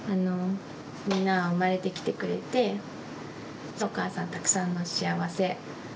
みんなが生まれてきてくれてお母さんたくさんの幸せをもらった。